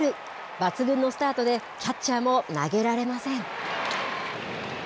抜群のスタートで、キャッチャーも投げられません。